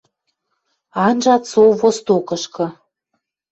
Анжат со Востокышкы